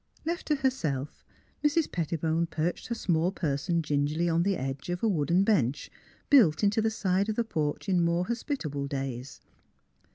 Left to herself, Mrs. Pettibone perched her small person gingerly on the edge of a wooden bench, built into the side of the porch in more hospitable days.